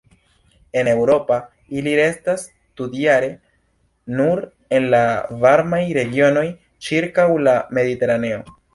En Eŭropa ili restas tutjare nur en la varmaj regionoj ĉirkaŭ la Mediteraneo.